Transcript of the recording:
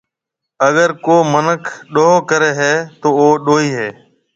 اگر ڪو مِنک ڏوه ڪريَ هيَ تو او ڏوهِي هيَ۔